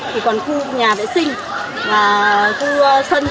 thì còn khu nhà vệ sinh và khu sân trường học của lơi cách ly